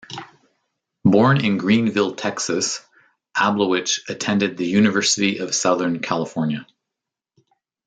Born in Greenville, Texas, Ablowich attended the University of Southern California.